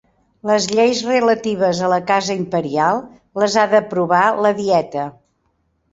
Les lleis relatives a la casa imperial les ha d'aprovar la dieta.